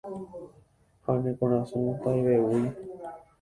Ha ne korasõ taivevúi